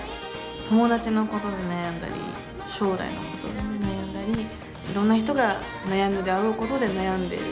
友達のことで悩んだり将来のことで悩んだりいろんな人が悩むであろうことで悩んでいる。